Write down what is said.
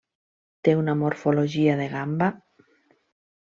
Té una morfologia de gamba.